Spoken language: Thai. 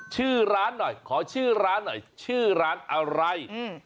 ชื่อร้านหน่อยขอชื่อร้านหน่อยชื่อร้านอะไรอืม